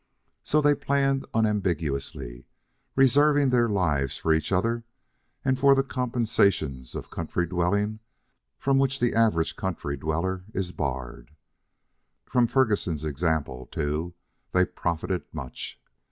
So they planned unambiguously, reserving their lives for each other and for the compensations of country dwelling from which the average country dweller is barred. From Ferguson's example, too, they profited much.